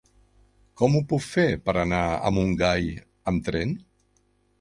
Com ho puc fer per anar a Montgai amb tren?